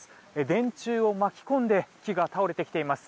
電柱を巻き込んで木が倒れてきています。